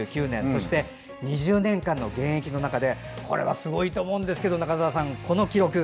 そして２０年間の現役の中でこれはすごいと思うんですけど中澤さん、この記録。